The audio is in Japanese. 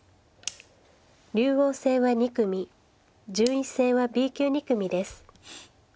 竜王戦は２組順位戦はＢ級２組です。